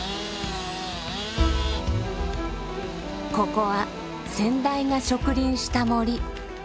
ここは先代が植林した森。